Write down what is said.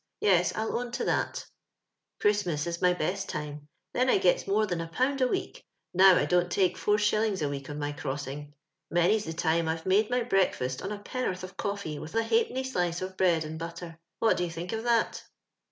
Yes, 111 own to that '* Ohiistmas ismy best time ; then I gets men than II. a week: now I dont take dc s week on my crossing. Mon/s the time Tre made my breakfast on a pen'orth of coffee and a halfpenny slice of bread and butter. "What do you think of that